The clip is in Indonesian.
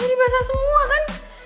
ini basah semua kan